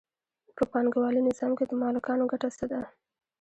په پانګوالي نظام کې د مالکانو ګټه څه ده